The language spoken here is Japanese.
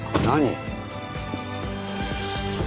何？